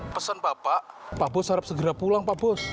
pesan bapak pak bos harap segera pulang pak bos